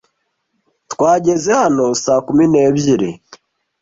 Twageze hano saa kumi n'ebyiri